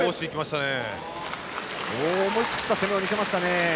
思い切った攻めを見せましたね。